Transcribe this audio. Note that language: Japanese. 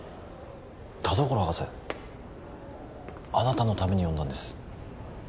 田所博士あなたのために呼んだんです